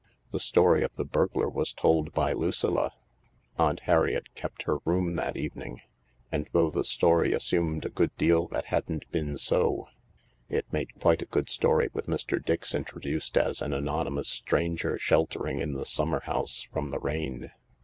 The story of the burglar was told by Lucilla— Aunt Harriet kept her room that evening — and though the story assumed a good deal that hadn't been so, it made quite a good story with Mr. Dix introduced as an anonymous stranger sheltering in the summer house from the rain.